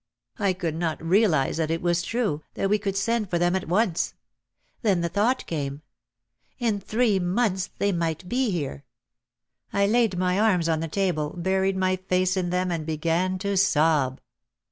I could not realise that it was true, that we could send for them at once. Then the thought came, "In three months they might be here!" I laid my arms on the table, buried my face in them and began to sob.